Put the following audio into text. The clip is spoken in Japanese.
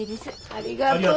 ありがとう。